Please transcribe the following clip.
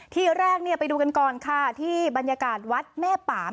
ที่แรกไปดูกันก่อนค่ะที่บรรยากาศวัดแม่ปาม